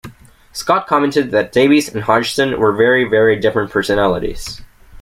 Scott commented that Davies and Hodgson were very, very different personalities.